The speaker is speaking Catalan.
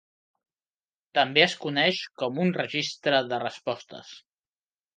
També és coneix com un registre de respostes.